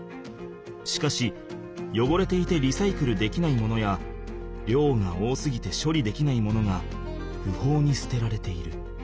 しかしよごれていてリサイクルできないものやりょうが多すぎてしょりできないものがふほうにすてられている。